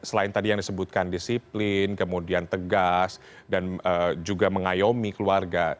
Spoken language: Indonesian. selain tadi yang disebutkan disiplin kemudian tegas dan juga mengayomi keluarga